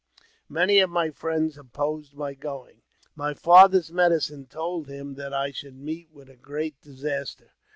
Many of my friends opposed my going. My father's medicine told him that I should meet with a great disaster.